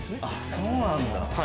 そうなんだ。